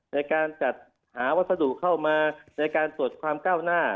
ในการจัดหาวัสดุเข้ามาในการตรวจความก้าวหน้า